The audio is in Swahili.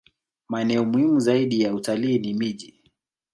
Maeneo muhimu zaidi ya utalii ni miji